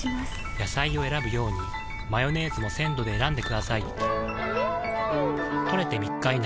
野菜を選ぶようにマヨネーズも鮮度で選んでくださいん！